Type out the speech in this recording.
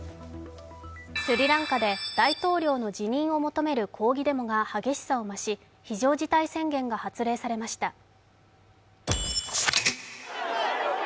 スリランカで大統領の辞任を求める抗議デモが激しさを増し非常事態宣言が発令されました。